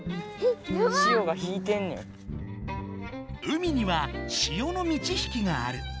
海には潮の満ち引きがある。